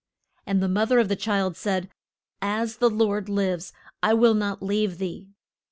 And the moth er of the child said, As the Lord lives, I will not leave thee.